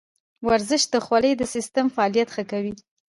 ورزش د خولې د سیستم فعالیت ښه کوي.